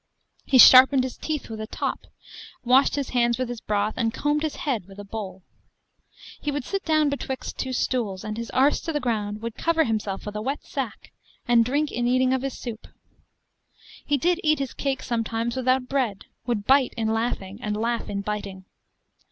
He sharpened his teeth with a top, washed his hands with his broth, and combed his head with a bowl. He would sit down betwixt two stools, and his arse to the ground would cover himself with a wet sack, and drink in eating of his soup. He did eat his cake sometimes without bread, would bite in laughing, and laugh in biting.